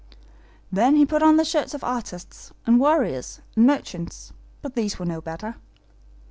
Then he put on the shirts of artists, and warriors, and merchants; but these were no better.